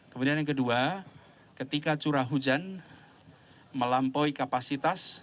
kemudian yang kedua ketika curah hujan melampaui kapasitas